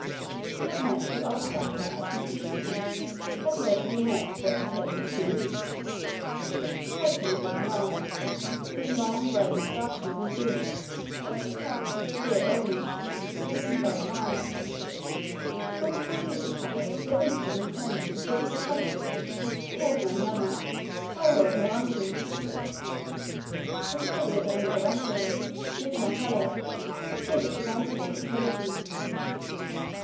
He had met the old traveller at Ujiji, had lived in the next but to him for two weeks, described him as looking old, with long grey moustaches and beard, just recovered from severe illness, looking very wan; when fully recovered Livingstone intended to visit a country called Manyema by way of Marungu. The valley of the Ungerengeri with Muhalleh exhibits wonderful fertility.